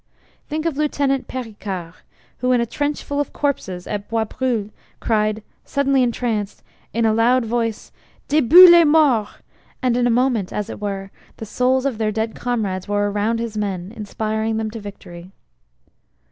Think of Lieutenant Pericard who in a trench full of corpses at Bois brule cried, suddenly entranced, in a loud voice, "Debout les morts!" and in a moment, as it were, the souls of their dead comrades were around his men, inspiring them to victory.